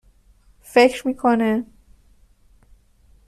فکر می کنه